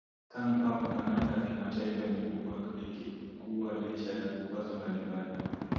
Tangu hapo kandanda ya kimataifa imekuwa ikikua licha ya vikwazo mbalimbali